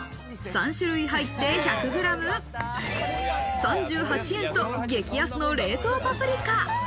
３種類入って１００グラム３８円と激安の冷凍パプリカ。